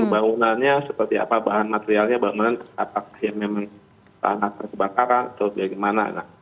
bangunannya seperti apa bahan materialnya bangunan apakah yang memang tanah kebakaran atau bagaimana